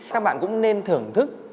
các bạn cũng nên thưởng thức